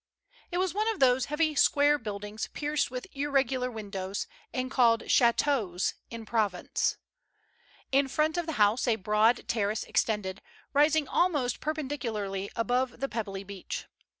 It was one of those heavy, square buildings, pierced with irregular windows, and called "chateaux'* in Provence. In front of the house a broad terrace extended, rising almost perpen dicularly above the pebbly beach.